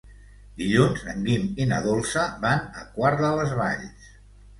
Dilluns en Guim i na Dolça van a Quart de les Valls.